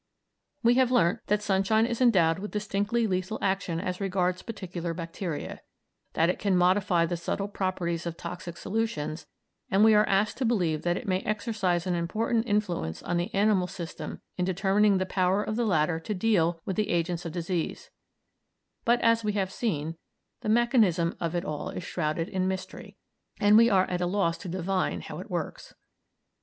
We have learnt that sunshine is endowed with distinctly lethal action as regards particular bacteria, that it can modify the subtle properties of toxic solutions, and we are asked to believe that it may exercise an important influence on the animal system in determining the power of the latter to deal with the agents of disease; but, as we have seen, the mechanism of it all is shrouded in mystery, and we are at a loss to divine how it works.